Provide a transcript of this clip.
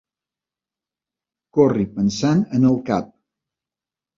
Corri pensant en el cap.